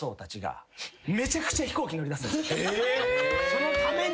そのために？